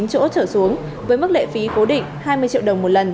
bốn chỗ trở xuống với mức lệ phí cố định hai mươi triệu đồng một lần